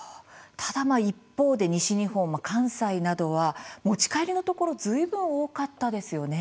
ただ、一方で西日本、関西などは持ち帰りのところずいぶん多かったですよね。